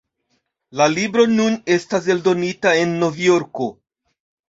La libro nun estas eldonita en Novjorko.